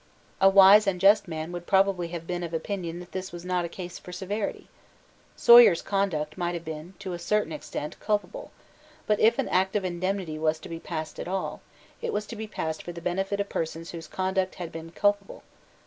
'" A wise and just man would probably have been of opinion that this was not a case for severity. Sawyer's conduct might have been, to a certain extent, culpable: but, if an Act of Indemnity was to be passed at all, it was to be passed for the benefit of persons whose conduct had been culpable.